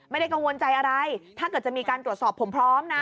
ไม่ได้กังวลใจอะไรถ้าเกิดจะมีการตรวจสอบผมพร้อมนะ